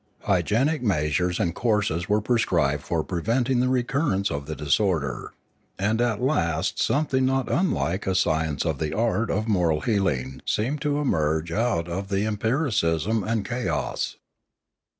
Hygienic measures and courses were prescribed for preventing the recurrence of the disorder; and at last something not unlike a science of the art of moral healing seemed to emerge out of the empiricism and chaos.